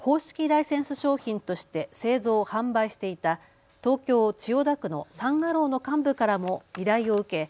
ライセンス商品として製造・販売していた東京千代田区のサン・アローの幹部からも依頼を受け